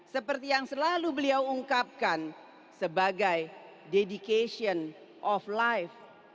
seperti yang selalu beliau ungkapkan sebagai dedication of life